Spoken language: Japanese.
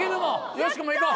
よしこも行こう。